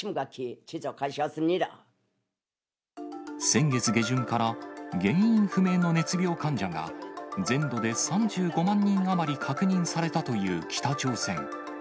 先月下旬から、原因不明の熱病患者が、全土で３５万人余り確認されたという北朝鮮。